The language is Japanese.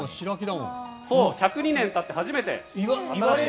１０２年たって初めて。